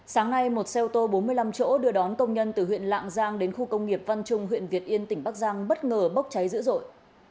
sáng nay một xe ô tô bốn mươi năm chỗ đưa đón công nhân từ huyện lạng giang đến khu công nghiệp văn trung huyện việt yên tỉnh bắc giang bất ngờ bốc cháy dữ dội